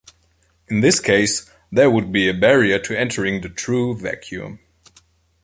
In this case, there would be a barrier to entering the true vacuum.